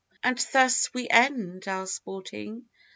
And thus we end our sporting.